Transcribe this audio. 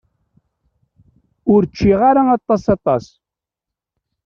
Ur ččiɣ ara aṭas aṭas.